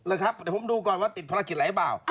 เดี๋ยวผมดูก่อนว่าติดภารกิจอะไรหรือเปล่า